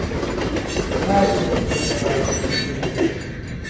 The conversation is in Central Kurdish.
ناوێرن گوێ لە ڕادیۆی کوردی بگرن